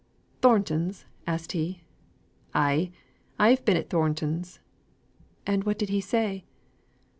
"Thornton's?" asked he. "Ay, I've been at Thornton's" "And what did he say?"